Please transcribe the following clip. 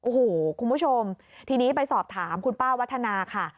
โอ้โหคุณผู้ชมทีนี้ไปสอบถามคุณป้าวัฒนาค่ะ